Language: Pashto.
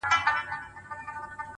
سیاه پوسي ده خاوند یې ورک دی،